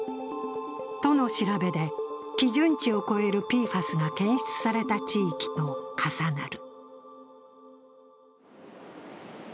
都の調べで、基準値を超えるＰＦＡＳが検出された地域と重なる。